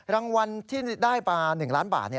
รางวัลที่ได้มา๑ล้านบาท